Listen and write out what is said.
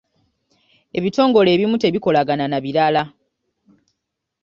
Ebitongole ebimu tebikolagana na birala.